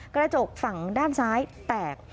กระจกฝั่งด้านซ้ายแตก